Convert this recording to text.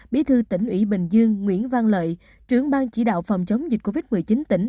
bí thư tỉnh ủy bình dương nguyễn văn lợi trưởng ban chỉ đạo phòng chống dịch covid một mươi chín tỉnh